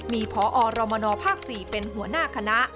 มีพอรมนภ๔เป็นหัวหน้าคณะ